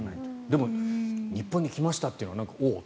でも日本に来ましたというのも。